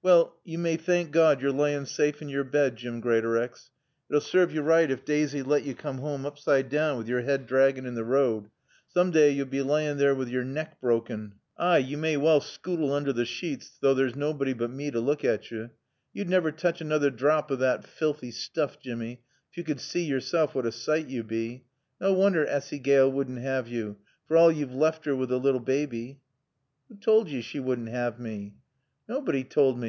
"Wall yo may thank Gawd yo're laayin' saafe in yore bed, Jim Greatorex. It'd sarve yo right ef Daaisy 'd lat yo coom hoam oopside down wi yore 'ead draggin' in t' road. Soom daay yo'll bae laayin' there with yore nack brawken. "Ay, yo may well scootle oonder t' sheets, though there's nawbody but mae t' look at yo. Yo'd navver tooch anoother drap o' thot felthy stoof, Jimmy, ef yo could sea yoreself what a sight yo bae. Naw woonder Assy Gaale wouldn't 'ave yo, for all yo've laft her wi' t' lil baaby." "Who toald yo she wouldn't 'ave mae?" "Naybody toald mae.